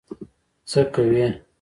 څه کوي.